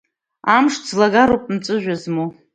Амш ӡлагароуп Мҵәыжәҩа змоу.